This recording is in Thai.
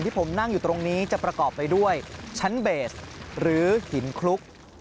ที่ผมนั่งอยู่ตรงนี้จะประกอบไปด้วยชั้นเบสหรือหินคลุก